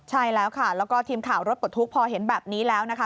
ใช่แล้วค่ะแล้วก็ทีมข่าวรถปลดทุกข์พอเห็นแบบนี้แล้วนะคะ